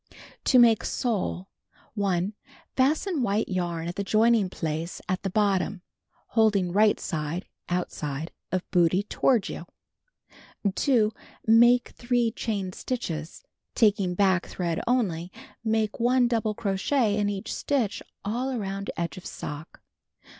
To Make Sole: 1. Fasten white j'arn at the joining place at the bottom, holding right side (outside) of bootee toward j'ou. 2. IMake 3 chain stitches. Taking back thread onl}^, make 1 double crochet in each stitch all around edge of sock.